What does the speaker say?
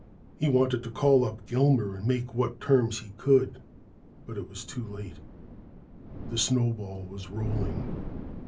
He wanted to call up Gilmer and make what terms he could, but it was too late. The snowball was rolling.